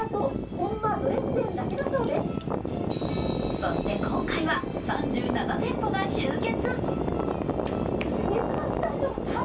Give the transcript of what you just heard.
そして今回は３７店舗が集結。